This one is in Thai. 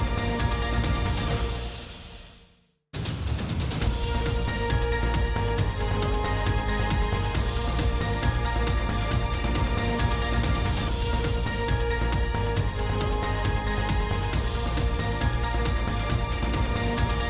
โปรดติดตามตอนต่อไป